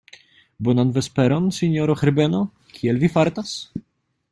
Bonan vesperon, sinjoro Herbeno; kiel vi fartas?